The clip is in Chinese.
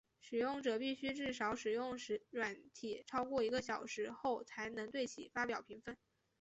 使用者必须至少使用软体超过一个小时后才能对其发表评分。